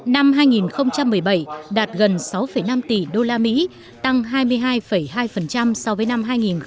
năm hai nghìn một mươi bảy đạt gần sáu năm tỷ usd tăng hai mươi hai hai so với năm hai nghìn một mươi bảy